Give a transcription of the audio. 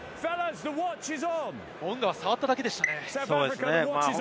モウンガは触っただけでした。